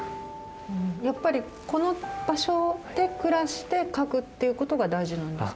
やっぱりこの場所で暮らして描くっていうことが大事なんですか？